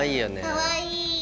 かわいい。